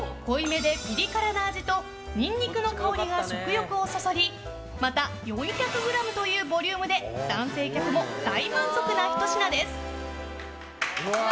濃いめでピリ辛な味とニンニクの香りが食欲をそそりまた４００ｇというボリュームで男性客も大満足なひと品です。